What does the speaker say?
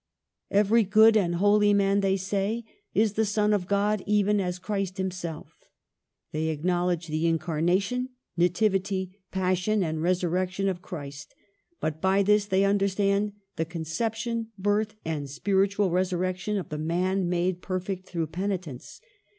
" Every good and holy man, they say, is the son of God, even as Christ Himself They acknowledge the Incarnation, Nativity, Passion, and Resurrection of Christ ; but by this they understand the conception, birth, and spiritual resurrection of the man made per fect through penitence.